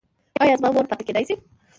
ایا زما مور پاتې کیدی شي؟